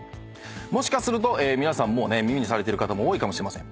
もしかすると耳にされてる方も多いかもしれません。